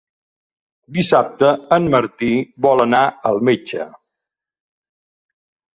Dissabte en Martí vol anar al metge.